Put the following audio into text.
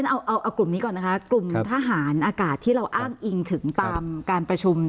เอากลุ่มนี้ก่อนนะคะกลุ่มทหารอากาศที่เราอ้างอิงถึงตามการประชุม